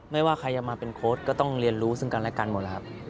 ไม่ว่าใครจะมาเป็นโค้ดก็ต้องเรียนรู้ซึ่งกันและกันหมดแล้วครับ